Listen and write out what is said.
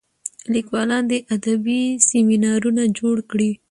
لیکوالان دي ادبي سیمینارونه جوړ کړي.